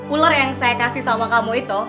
ular yang saya kasih sama kamu itu